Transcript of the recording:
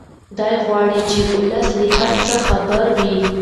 دی غواړي چې ولس له هر څه خبر وي.